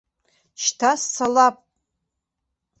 Шьҭа сцалап!